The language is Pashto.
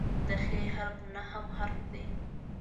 د "خ" حرف نهم حرف دی.